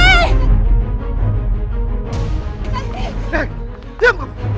hei diam kamu